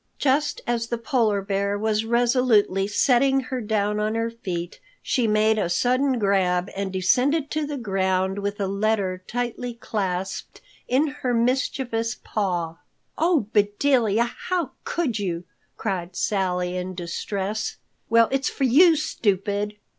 Just as the Polar Bear was resolutely setting her down on her feet, she made a sudden grab and descended to the ground with a letter tightly clasped in her mischievous paw. "Oh, Bedelia, how could you!" cried Sally in distress. "Well, it's for you, stupid!"